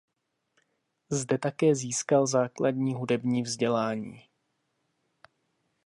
Zde také získal základní hudební vzdělání.